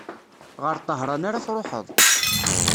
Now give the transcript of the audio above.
Ɣer Tahran ara truḥeḍ?